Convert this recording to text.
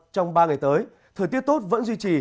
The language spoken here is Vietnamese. trong ba ngày tới thời tiết tốt vẫn duy trì